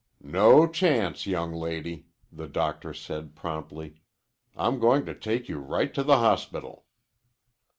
"No chance, young lady," the doctor said promptly. "I'm going to take you right to the hospital."